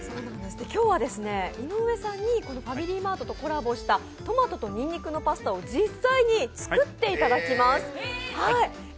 今日は井上さんにファミリーマートとコラボしたトマトとにんにくのパスタを実際に作っていただきます。